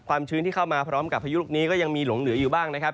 ชื้นที่เข้ามาพร้อมกับพายุลูกนี้ก็ยังมีหลงเหลืออยู่บ้างนะครับ